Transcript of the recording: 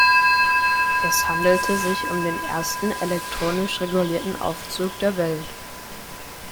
Es handelte sich um den ersten elektronisch regulierten Aufzug der Welt.